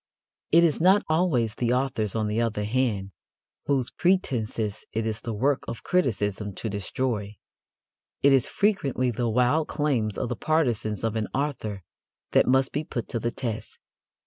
It is not always the authors, on the other hand, whose pretences it is the work of criticism to destroy. It is frequently the wild claims of the partisans of an author that must be put to the test.